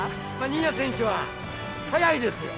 新谷選手は速いですよ。